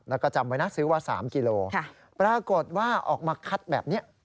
แล้วก็จำไว้นะซื้อว่า๓กิโลปรากฏว่าออกมาคัดแบบนี้